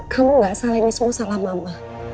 kamu gak salah ini semua salah mama